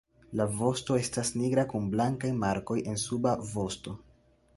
La vosto estas nigra kun blankaj markoj en suba vosto.